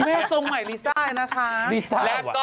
ทรงใหม่ลิซ่านะคะ